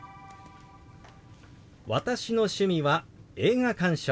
「私の趣味は映画鑑賞です」。